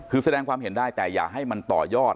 คือแสดงความเห็นได้แต่อย่าให้มันต่อยอด